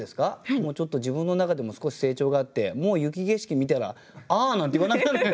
もうちょっと自分の中でも少し成長があってもう雪景色見たら「ああ」なんて言わなくなる。